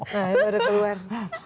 nah ini udah keluar